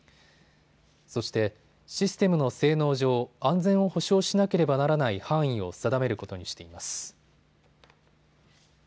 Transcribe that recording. そしてシステムの性能上、安全を保証しなければならない範囲を定めることにしています。